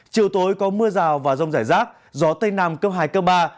chiều tối có mưa rào và rông rải rác gió tây nam cấp hai cấp ba